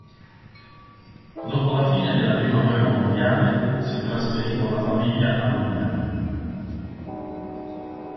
Dopo la fine della prima guerra mondiale, si trasferì con la famiglia a Lubiana.